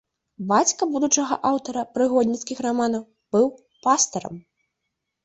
Бацька будучага аўтара прыгодніцкіх раманаў быў пастарам.